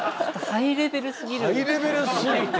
ハイレベルすぎて。